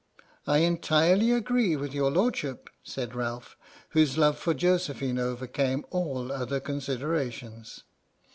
" I entirely agree with your Lordship," said Ralph, whose love for Josephine overcame all other considerations.